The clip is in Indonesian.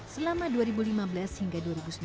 selama dua ribu lima belas hingga dua ribu sembilan belas